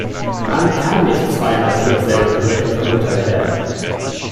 Man kann nicht zweimal für dasselbe Verbrechen verurteilt werden.